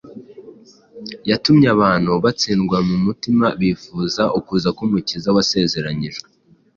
yatumye abantu batsindwa mu mitima bifuza ukuza k’Umukiza wasezeranyijwe.